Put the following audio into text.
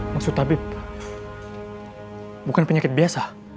maksud habib bukan penyakit biasa